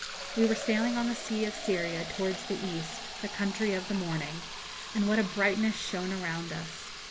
We were sailing on the sea of Syria towards the East the country of the morning and what a brightness shone around us!